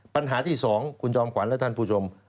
ปัญหาที่๒คุณจอมขวัญและท่านผู้ชม